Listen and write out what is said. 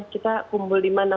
kita kumpul dimana